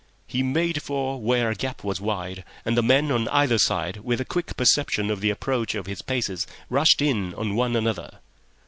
He made for where a gap was wide, and the men on either side, with a quick perception of the approach of his paces, rushed in on one another.